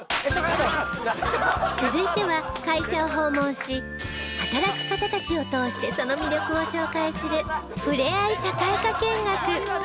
続いては会社を訪問し働く方たちを通してその魅力を紹介するふれあい社会科見学